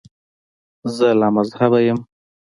زه لامذهبه یم.